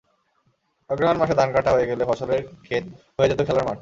অগ্রহায়ণ মাসে ধান কাটা হয়ে গেলে ফসলের খেত হয়ে যেত খেলার মাঠ।